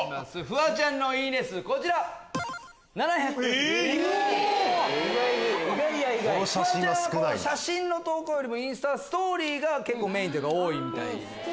フワちゃんは写真の投稿よりもインスタはストーリーがメインというか多いみたいです。